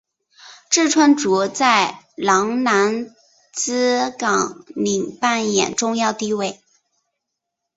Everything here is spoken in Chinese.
志村簇在郎兰兹纲领扮演重要地位。